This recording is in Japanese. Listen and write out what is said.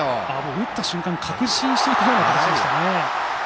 打った瞬間確信していたような走りでしたね。